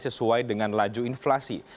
sesuai dengan laju inflasi